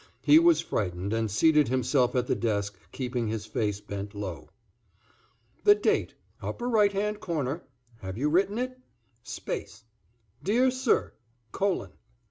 He was frightened, and seated himself at the desk, keeping his face bent low. "The date upper right hand corner. Have you written it? Space. Dear Sir, colon.